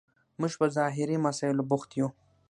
موږ په ظاهري مسایلو بوخت یو.